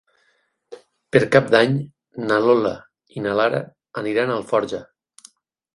Per Cap d'Any na Lola i na Lara aniran a Alforja.